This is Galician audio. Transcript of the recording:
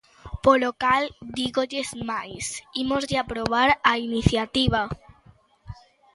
Polo cal, dígolles máis, ímoslle aprobar a iniciativa.